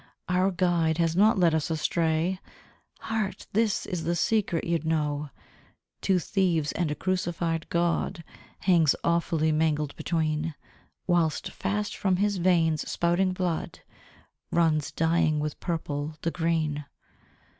Our Guide has not led us astray; Heart! this is the secret you'd know Two thieves, and a crucified God Hangs awfully mangled between! Whilst fast from His veins spouting blood Runs, dyeing with purple the green!